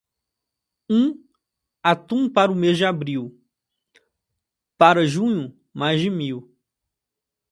Um atum para o mês de abril, para junho mais de mil.